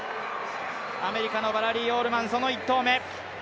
アメリカ、バラリー・オールマン１投目。